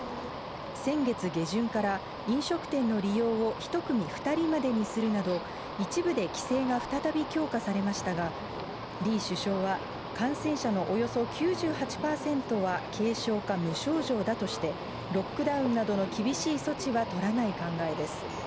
先月下旬から、飲食店の利用を１組２人までにするなど、一部で規制が再び強化されましたが、リー首相は、感染者のおよそ９８％は軽症か無症状だとして、ロックダウンなどの厳しい措置は取らない考えです。